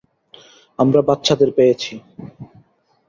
আমরা বাচ্চাদের পেয়েছি।